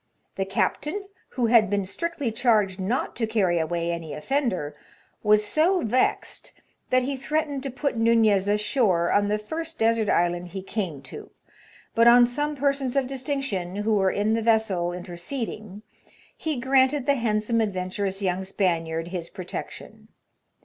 The captain, who had been strictly charged not to carry away any offender, was so vexed, that he threatened to ^et Nunez ashore on the first desert island he came to; but on some persons of distinc tion, who were in the vessel, interceding, he granted the 92 HAZAHDOUS VOYAGES. handsome adventurous young Spaniard his protection.